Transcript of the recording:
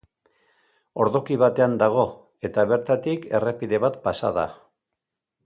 Ordoki batean dago eta bertatik errepide bat pasa da.